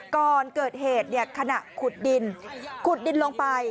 ก่อนเกิดเหตุขณะขุดดินขุดดินลงไป